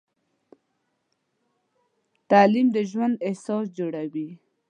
تعلیم د ژوند اساس جوړوي.